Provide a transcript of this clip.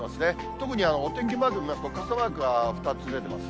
特にお天気マーク見ますと、傘マークが２つ出てます。